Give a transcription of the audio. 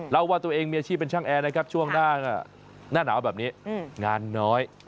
เล่าว่าตัวเองมีอาชีพเป็นช่างแอร์นะครับช่วงหน้าหนาวแบบนี้งานน้อย